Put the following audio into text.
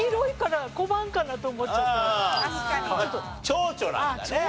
チョウチョなんだねあれ。